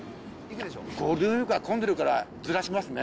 ゴールデンウィークは混んでるからずらしますね。